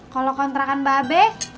kalau kontrakan babe